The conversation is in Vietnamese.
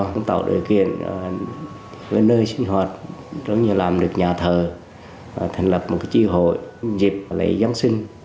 cũng tạo đội quyền với nơi sinh hoạt làm được nhà thờ thành lập một trí hội dịp lấy giáng sinh